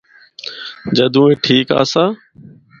جدوں اے ٹھیک آسا۔